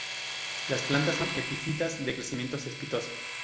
Las plantas son epífitas, de crecimiento cespitoso.